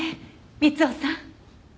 充生さん。